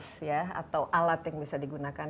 dari segi tools atau alat yang bisa digunakan